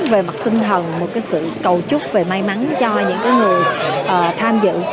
về mặt tinh thần một sự cầu chúc về may mắn cho những người tham dự